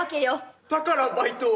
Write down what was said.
だからバイトを。